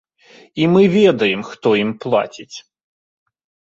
І мы ведаем, хто ім плаціць.